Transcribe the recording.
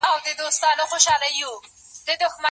په بامیان کي هوا ګرمه نه وي.